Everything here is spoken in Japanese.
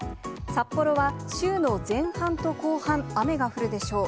札幌は週の前半と後半、雨が降るでしょう。